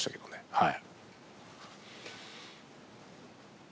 はい。